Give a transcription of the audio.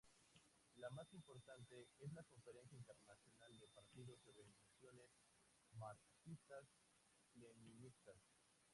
La más importante es la Conferencia Internacional de Partidos y Organizaciones Marxista-Leninistas.